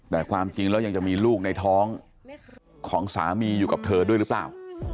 แต่ความจริงแล้วยังจะมีลูกในท้องของสามีอยู่กับเธอด้วยหรือเปล่า